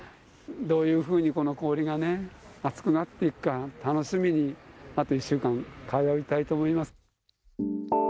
どういうふうにこの氷がね、厚くなっていくか、楽しみにあと１週間、通いたいと思います。